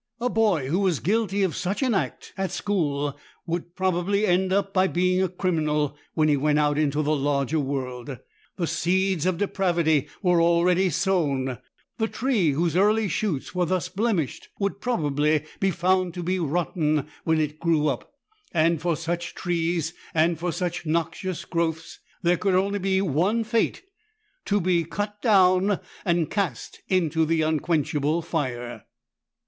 A boy who was guilty of such an act at school would probably end by being a criminal when he went out into the larger world. The seeds of depravity were already sown; the tree whose early shoots were thus blemished would probably be found to be rotten when it grew up; and for such trees and for such noxious growths there could only be one fate to be cut down and cast into the unquenchable fire!